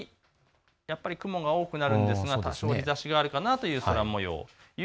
昼過ぎ、やっぱり雲が多くなるんですが日ざしが多少あるかなという空もよう。